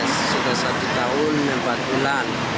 sudah satu tahun empat bulan